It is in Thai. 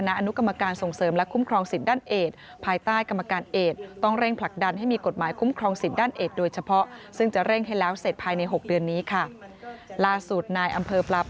นายอำเภอปลาปากจังหวัดนครพนม